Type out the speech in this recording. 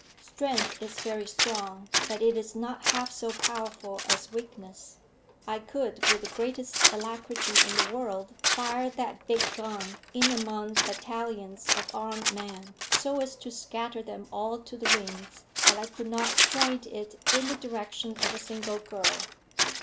Strength is very strong, but it is not half so powerful as weakness. I could, with the greatest alacrity in the world, fire that big gun in among battalions of armed men, so as to scatter them all to the winds, but I could not point it in the direction of a single girl."